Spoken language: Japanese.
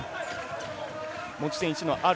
持ち点１のアル